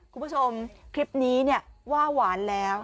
คุณผู้ชมคลิปนี้เนี่ยว่าหวานแล้ว